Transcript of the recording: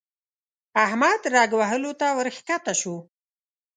احمد رګ وهلو ته ورکښته شو.